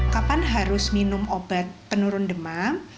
kapan harus minum obat penurun demam